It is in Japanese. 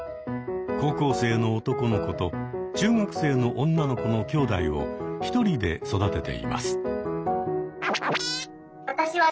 高校生の男の子と中学生の女の子のきょうだいを１人で育てています。